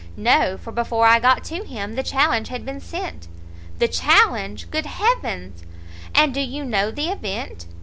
"No; for before I got to him the challenge had been sent." "The challenge! good heaven! and do you know the event?"